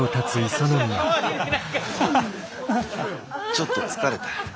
ちょっと疲れた。